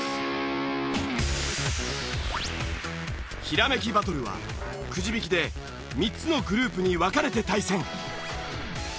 ひらめきバトルはくじ引きで３つのグループに分かれて対戦。